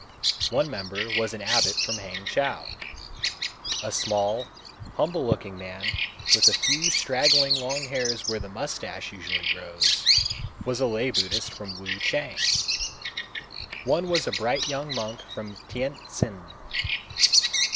One member was an abbot from Hangchow. A small, humble looking man with a few straggling long hairs where the mustache usually grows, was a lay Buddhist from Wuchang. One was a bright young monk from Tientsin.